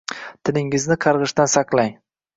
tilingizni qarg‘ishdan saqlang.